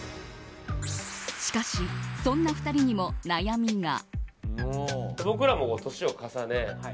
しかし、そんな２人にも悩みが。